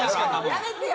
やめてよ！